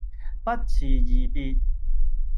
不辭而別